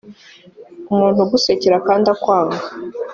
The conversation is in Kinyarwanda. umuntu ugusekera kandi akwanga